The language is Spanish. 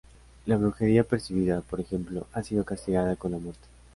La brujería percibida, por ejemplo, ha sido castigada con la muerte.